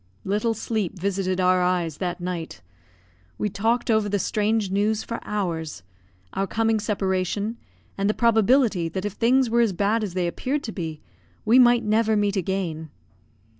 Little sleep visited our eyes that night. We talked over the strange news for hours; our coming separation, and the probability that if things were as bad as they appeared to be, we might never meet again.